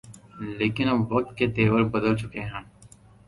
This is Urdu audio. لیکن اب وقت کے تیور بدل چکے ہیں۔